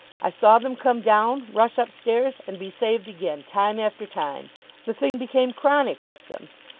I saw them come down, rush upstairs, and be saved again, time after time. The thing became chronic with them.